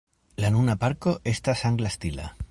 La nuna parko estas angla stila.